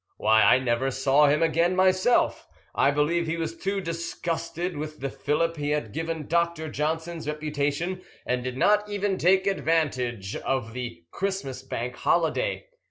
Why, I never saw him again myself I believe he was too disgusted with the fillip he had given Dr. Johnson's reputation, and did not even take advantage of the Christmas Bank Holiday.